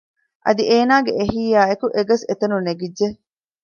އަދި އޭނާގެ އެހީއާއެކު އެގަސް އެތަނުން ނެގިއްޖެ